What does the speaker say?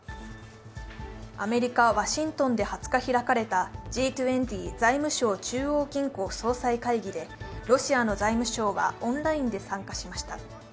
アメリカ・ワシントンで２０日開かれたＧ２０財務相・中央銀行総裁会議でロシアの財務相はオンラインで参加しました。